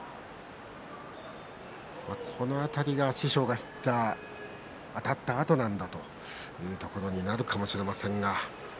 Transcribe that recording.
これが師匠が言ったあたったあとの、だということになるかもしれません。